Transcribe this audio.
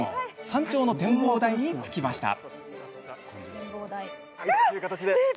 山頂の展望台に着きました。